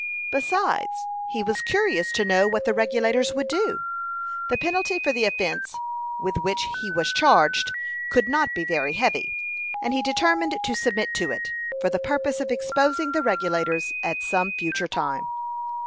Besides, he was curious to know what the Regulators would do. The penalty for the offence with which he was charged could not be very heavy, and he determined to submit to it, for the purpose of exposing the Regulators at some future time.